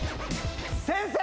先生！